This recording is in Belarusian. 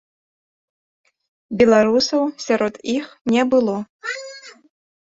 Беларусаў сярод іх не было.